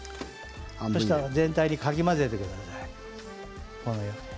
そうしたら全体にかき混ぜてください。